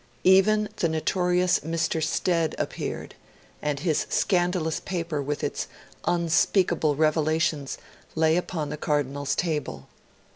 Even the notorious Mr. Stead appeared, and his scandalous paper with its unspeakable revelations lay upon the Cardinal's table.